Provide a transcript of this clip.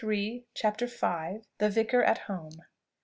CHAPTER V. THE VICAR AT HOME.